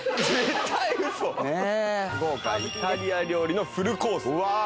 豪華イタリア料理のフルコース。